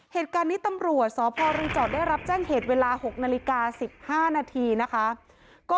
เหตุการณ์นี้ตำรวจสพรีจอดได้รับแจ้งเหตุเวลา๖นาฬิกา๑๕นาทีนะคะ